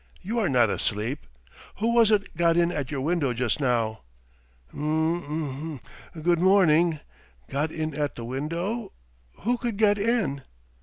You are not asleep! Who was it got in at your window just now?" "Mm ... m ... good morning! Got in at the window? Who could get in?"